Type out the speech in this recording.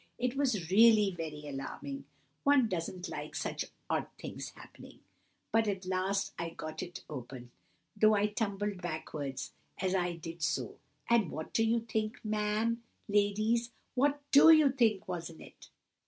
It was really very alarming—one doesn't like such odd things happening—but at last I got it open, though I tumbled backwards as I did so; and what do you think, ma'am—ladies—what do you think was in it?"